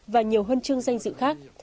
và nhiều huần trương danh dự khác